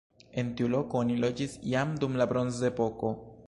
En tiu loko oni loĝis jam dum la bronzepoko.